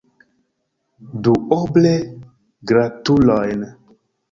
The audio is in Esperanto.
Duoble gratulojn!